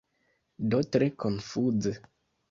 Do tre konfuze.